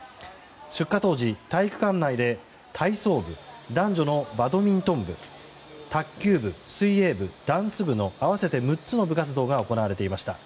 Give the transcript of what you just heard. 出火当時、体育館内で体操部男女のバドミントン部卓球部、水泳部、ダンス部の合わせて６つの部活動が行われていました。